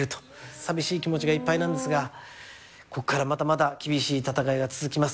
さみしい気持ちがいっぱいなんですが、ここからまだまだ厳しい戦いが続きます。